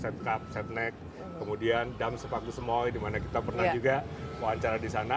set cup set neck kemudian damsepaku semoy di mana kita pernah juga wawancara di sana